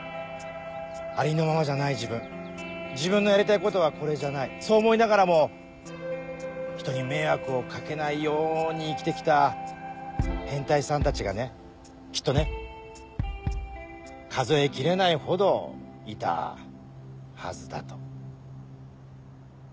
ありのままじゃない自分自分のやりたいことはこれじゃないそう思いながらもひとに迷惑を掛けないように生きて来た変態さんたちがねきっとね数え切れないほどいたはずだと。